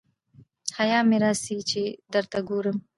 حیا مي راسي چي درته ګورم